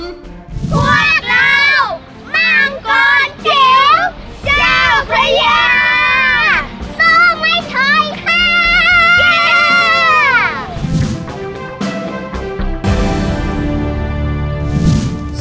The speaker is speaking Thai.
เจ้ามังกรจิ๋วเจ้าพระยาสู้ไว้ช่อยค่ะ